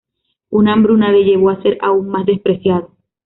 Una hambruna le llevó a ser aún más despreciado.